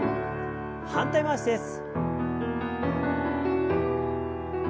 反対回しです。